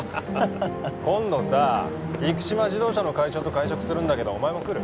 今度さ生島自動車の会長と会食するんだけどお前も来る？